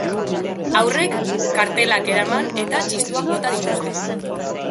Haurrek kartelak eraman eta txistuak bota dituzte.